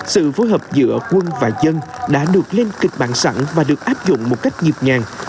sự phối hợp giữa quân và dân đã được lên kịch bản sẵn và được áp dụng một cách dịp nhàng